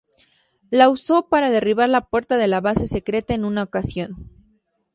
La usó para derribar la puerta de la base secreta en una ocasión.